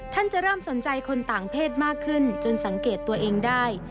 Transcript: จะเริ่มสนใจคนต่างเพศมากขึ้นจนสังเกตตัวเองได้